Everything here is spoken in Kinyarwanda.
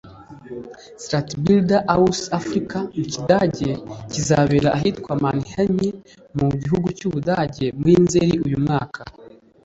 Stadtbilder aus Afrika” mu kigade kizabera ahitwa Mannheim mu gihugu cy’u Budage muri Nzeli uyu mwaka